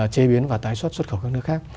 chế biến và tái xuất xuất khẩu các nước khác